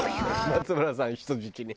松村さんを人質に。